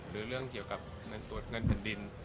หรือเรื่องเกี่ยวกับตรวจเงินเป็นดิน